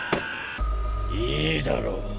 いいだろう。